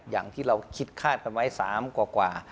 อย่างที่เราคิดคาดกันไว้๓กว่า